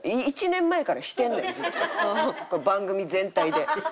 １年前からしてんねんずっと番組全体で。